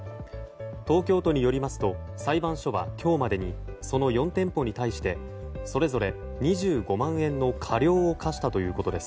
東京都によりますと裁判所は今日までにその４店舗に対してそれぞれ２５万円の過料を科したということです。